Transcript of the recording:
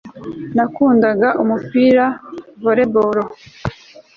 na kundaga umupira volebolo